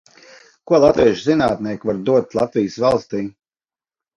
Ko latviešu zinātnieki var dot Latvijas valstij?